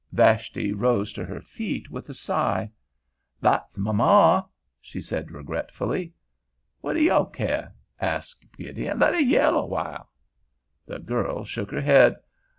Vashti rose to her feet with a sigh. "That's my ma," she said regretfully. "What do yo' care?" asked Gideon. "Let her yell awhile." The girl shook her head.